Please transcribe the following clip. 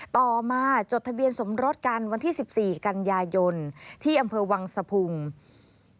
ต่อมาจดทะเบียนสมรสกันวันที่๑๔กันยายนที่อำเภอวังสะพุง